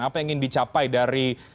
apa yang ingin dicapai dari